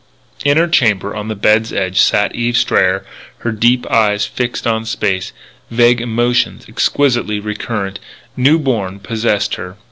In her chamber, on the bed's edge, sat Eve Strayer, her deep eyes fixed on space. Vague emotions, exquisitely recurrent, new born, possessed her.